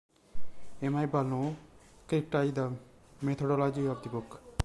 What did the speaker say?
M. I. Balonov criticized the methodology of the book.